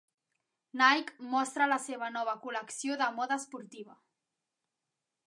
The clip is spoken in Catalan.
Nike mostra la seva nova col·lecció de moda esportiva.